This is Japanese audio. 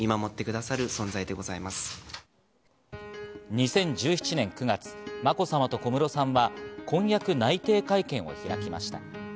２０１７年９月、まこさまと小室さんは婚約内定会見を開きました。